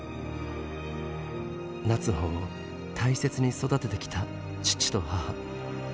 夏穂を大切に育ててきた父と母。